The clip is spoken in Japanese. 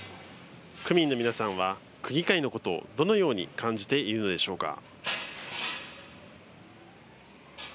区民の皆さんは区議会のことをどのように感じているのでしょうか。